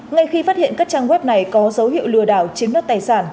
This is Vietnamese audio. ngay khi phát hiện các trang web này có dấu hiệu lừa đảo chiếm đất tài sản